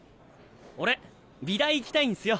俺美大行きたいんすよ。